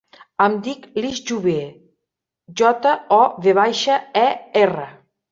Em dic Lis Jover: jota, o, ve baixa, e, erra.